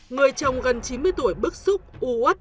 người chồng gần chín mươi tuổi bức xúc u út